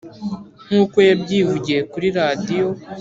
nkuko yabyivugiye kuri radiyo